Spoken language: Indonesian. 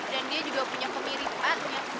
dan dia juga punya kemiripan yang sama banget